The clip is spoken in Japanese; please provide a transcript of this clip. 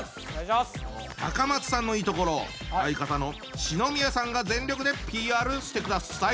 高松さんのいいところを相方の篠宮さんが全力でＰＲしてください。